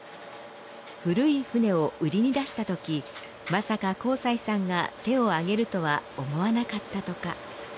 古い船を売りに出したときまさか幸才さんが手を挙げるとは思わなかったとか。